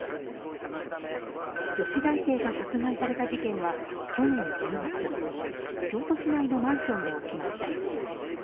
女子大生が殺害された事件は去年１０月京都市内のマンションで起きました。